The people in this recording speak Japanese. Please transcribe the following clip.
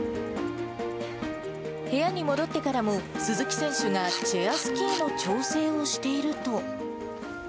部屋に戻ってからも、鈴木選手がチェアスキーの調整をしていると。